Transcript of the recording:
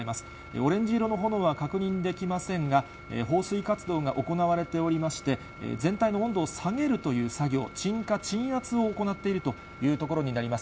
オレンジ色の炎は確認できませんが、放水活動が行われておりまして、全体の温度を下げるという作業、鎮火、鎮圧を行っているというところになります。